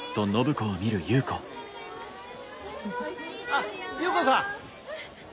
あっ優子さん！